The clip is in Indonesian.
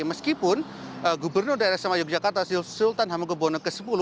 meskipun gubernur daerah selamanya yogyakarta sultan hamugubwono x